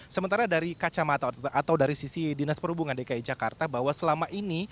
sementara dari kacamata atau dari sisi dinas perhubungan dki jakarta bahwa selama ini